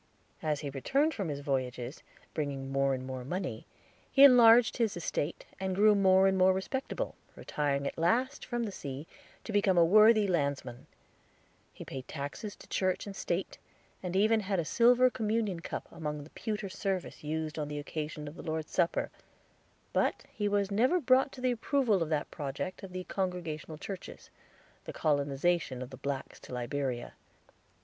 As he returned from his voyages, bringing more and more money, he enlarged his estate, and grew more and more respectable, retiring at last from the sea, to become a worthy landsman; he paid taxes to church and state, and even had a silver communion cup, among the pewter service used on the occasion of the Lord's Supper; but he never was brought to the approval of that project of the Congregational Churches, the colonization of the Blacks to Liberia.